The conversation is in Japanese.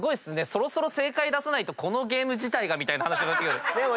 そろそろ正解出さないとこのゲームがみたいな話に。